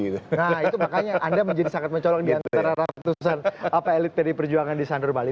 nah itu makanya anda menjadi sangat mencolok di antara ratusan elit pd perjuangan di sandur bali